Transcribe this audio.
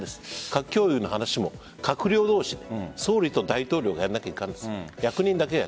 核共有の話も、閣僚同士総理と大統領がやらなければいかんです。